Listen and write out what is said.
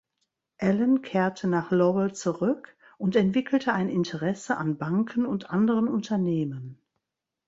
Allan kehrte nach Lowell zurück und entwickelte ein Interesse an Banken und anderen Unternehmen.